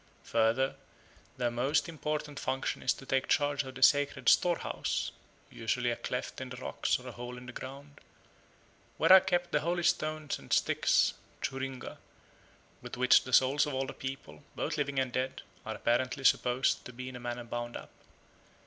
Further, their most important function is to take charge of the sacred storehouse, usually a cleft in the rocks or a hole in the ground, where are kept the holy stones and sticks (churinga) with which the souls of all the people, both living and dead, are apparently supposed to be in a manner bound up.